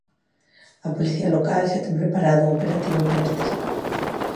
A Policía Local xa ten preparado o operativo para este sábado.